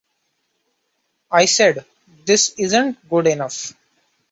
I said, 'This isn't good enough.